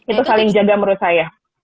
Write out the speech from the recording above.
itu saling jaga menurut saya